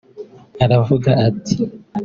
aravuga ati